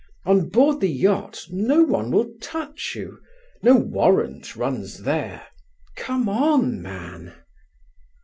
On board the yacht no one will touch you. No warrant runs there. Come on, man!"